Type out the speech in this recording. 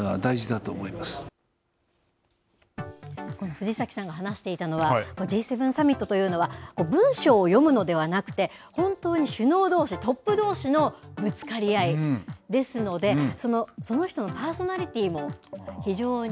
藤崎さんが話していたのは、Ｇ７サミットというのは、文章を読むのではなくて、本当に首脳どうし、トップどうしのぶつかり合いですので、その人のパーソナリティーも非常に。